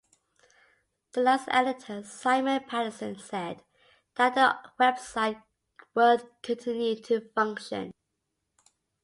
The last editor, Simon Patterson, said that the website would continue to function.